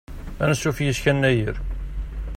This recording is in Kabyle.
Ansuf yis-k a yennayer.